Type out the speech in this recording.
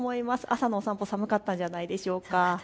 朝の散歩、寒かったんじゃないでしょうか。